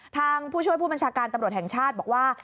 ผู้ช่วยผู้บัญชาการตำรวจแห่งชาติบอกว่า